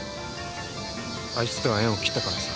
あいつとは縁を切ったからさ。